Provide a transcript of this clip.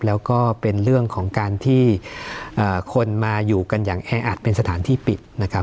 แล้วก็เป็นเรื่องของการที่คนมาอยู่กันอย่างแออัดเป็นสถานที่ปิดนะครับ